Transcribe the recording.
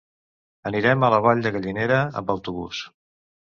Anirem a la Vall de Gallinera amb autobús.